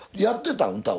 やってたん？